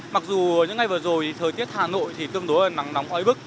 mặc dù những ngày vừa rồi thời tiết hà nội tương đối là nắng nóng ối bức